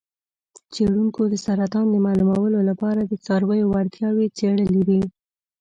څیړونکو د سرطان د معلومولو لپاره د څارویو وړتیاوې څیړلې دي.